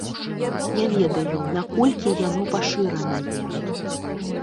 Не ведаю, наколькі яно пашыранае.